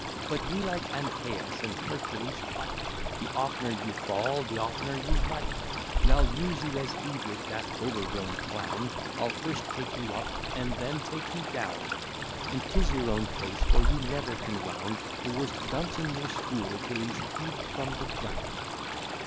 But we like Antæus and Hercules fight, The oftener you fall, the oftener you write: And I'll use you as he did that overgrown clown, I'll first take you up, and then take you down; And, 'tis your own case, for you never can wound The worst dunce in your school, till he's heaved from the ground.